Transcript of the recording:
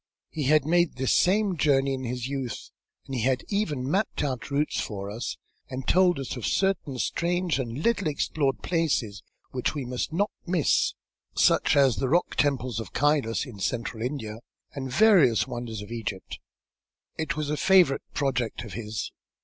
He had made this same journey in his youth, and he had even mapped out routes for us, and told us of certain strange and little explored places which we must not miss, such as the rock temples of Kylas in Central India, and various wonders of Egypt. It was a favourite project of his.